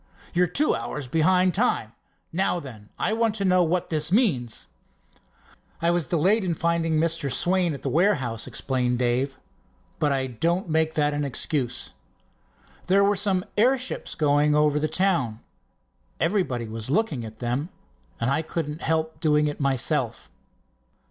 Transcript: "You're two hours behind time. Now then, I want to know what this means?" "I was delayed in finding Mr. Swain at the warehouse," explained Dave, "but I don't make that an excuse. There were some airships going over the town. Everybody was looking at them, and I couldn't help doing it myself."